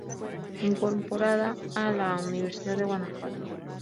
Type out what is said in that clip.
Incorporada a la Universidad de Guanajuato.